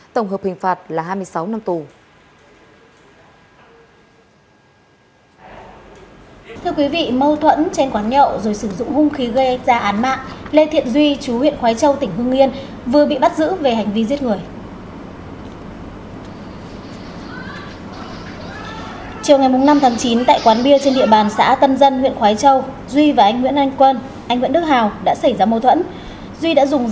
tổng hợp hình phạt là hai mươi sáu năm tù